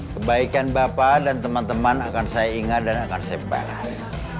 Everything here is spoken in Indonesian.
kebaikan bapak dan teman teman akan saya ingat dan akan saya balas